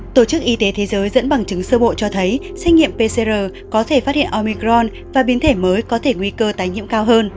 tổ chức y tế thế giới dẫn bằng chứng sơ bộ cho thấy xét nghiệm pcr có thể phát hiện omicron và biến thể mới có thể nguy cơ tái nhiễm cao hơn